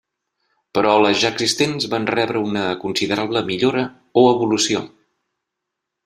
Però les ja existents van rebre una considerable millora o evolució.